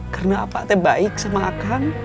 karena apa tae baik sama akang